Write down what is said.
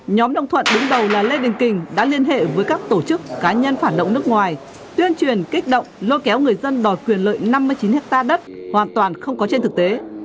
nhóm đồng thuận đứng đầu là lê đình kình đã liên hệ với các tổ chức cá nhân phản động nước ngoài tuyên truyền kích động lôi kéo người dân đòi quyền lợi năm mươi chín ha đất hoàn toàn không có trên thực tế